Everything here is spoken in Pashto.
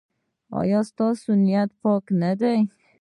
ایا ستاسو نیت پاک نه دی؟